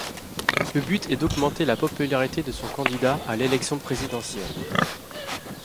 Le but est d'augmenter la popularité de son candidat à l'élection présidentielle.